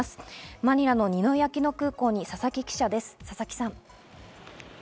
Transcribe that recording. マニラのニノイ・アキノ空港に佐々木記者です。